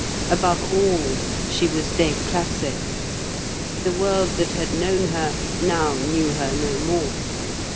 Above all she was déclassée. The world that had known her now knew her no more.